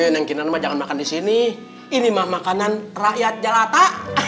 neng kinar jangan makan di sini ini mah makanan rakyat jalata